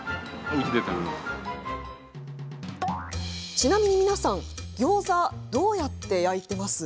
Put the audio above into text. ちなみに皆さんギョーザどうやって焼いてます？